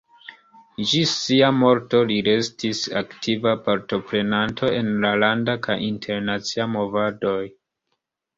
Ĝis sia morto li restis aktiva partoprenanto en la landa kaj internacia movadoj.